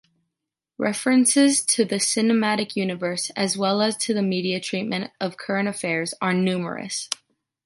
References to the cinematic universe, as well as to the media treatment of current affairs are numerous.